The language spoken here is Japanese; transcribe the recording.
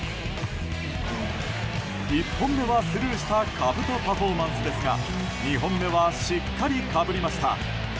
１本目はスルーしたかぶとパフォーマンスですが２本目はしっかり、かぶりました。